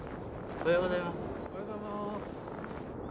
おはようございます。